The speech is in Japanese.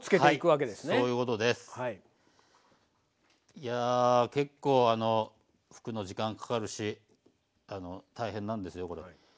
いや結構拭くの時間かかるし大変なんですよこれ。